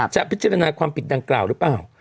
จะพิจารณาความผิดดังกล่าวหรือเปล่า